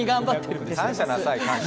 感謝なさい、感謝。